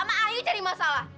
sama ayu cari masalah